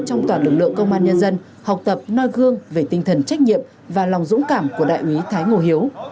trong toàn lực lượng công an nhân dân học tập noi gương về tinh thần trách nhiệm và lòng dũng cảm của đại úy thái ngô hiếu